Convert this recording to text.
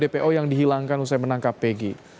dua dpo yang dihilangkan usai menangkap pegi